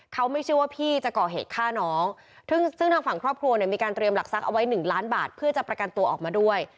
เขาไม่เชื่อว่าพี่จะก่อเหตุฆ่าน้องซึ่งทางฝั่งครอบครัวเนี่ยมีการเตรียมหลักทรัพย์เอาไว้๑ล้านบาทเพื่อจะประกันตัวออกมาด้วย